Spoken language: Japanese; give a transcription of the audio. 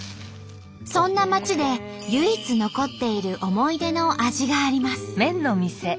そんな町で唯一残っている思い出の味があります。